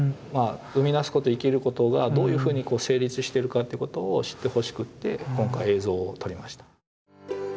まあ生みだすこと生きることがどういうふうに成立してるかってことを知ってほしくって今回映像を撮りました。